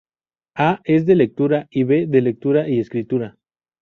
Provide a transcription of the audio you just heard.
A es de lectura y B de lectura y escritura.